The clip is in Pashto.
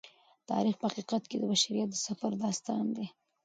تاریخ په حقیقت کې د بشریت د سفر داستان دی.